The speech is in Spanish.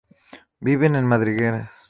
Viven en madrigueras.